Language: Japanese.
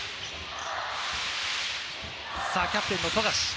キャプテンの富樫。